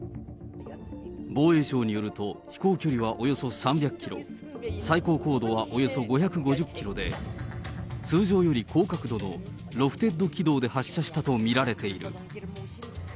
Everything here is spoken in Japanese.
防衛省によると、飛行距離はおよそ３００キロ、最高高度はおよそ５５０キロで、通常より高角度のロフテッド軌道で発射したと見られている。